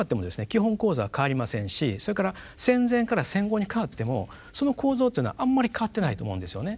基本構造は変わりませんしそれから戦前から戦後に変わってもその構造というのはあんまり変わってないと思うんですよね。